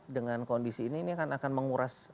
dengan kondisi ini ini akan menguras